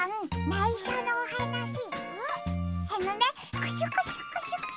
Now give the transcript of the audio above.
ないしょのおはなし。